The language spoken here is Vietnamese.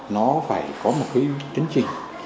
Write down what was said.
nó phải có một cái chương trình